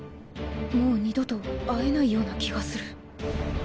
もう二度と会えないような気がする